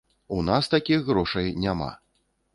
У нас такіх грошай няма.